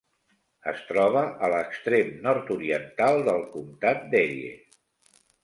Es troba a l'extrem nord-oriental del comtat d'Erie.